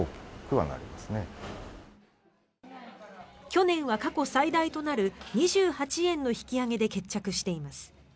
去年は過去最大となる２８円の引き上げで決着しています。